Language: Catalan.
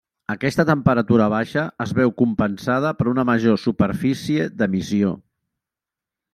Aquesta temperatura baixa es veu compensada per una major superfície d'emissió.